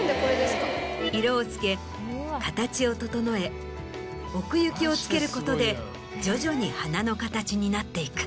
色をつけ形を整え奥行きをつけることで徐々に花の形になっていく。